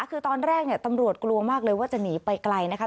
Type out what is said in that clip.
คือตอนแรกเนี่ยตำรวจกลัวมากเลยว่าจะหนีไปไกลนะคะ